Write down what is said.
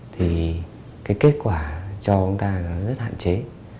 thì kết quả cho chúng ta rất hạn chế